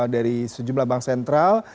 dari sejumlah bank sentral